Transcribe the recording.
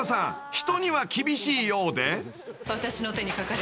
人には厳しいようで］